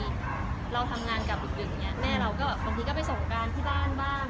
เราทำงานกลับดึกอย่างนี้แม่เราก็แบบบางทีก็ไปส่งการที่บ้านบ้าง